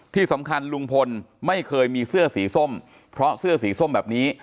ที่สำคัญลุงพลไม่เคยมีเสื้อสีส้มเพราะเสื้อสีส้มแบบนี้